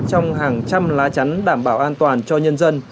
trong hàng trăm lá chắn đảm bảo an toàn cho nhân dân